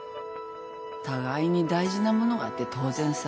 互いに大事なものがあって当然さ。